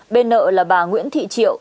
bên nợ là bà nguyễn thị triệu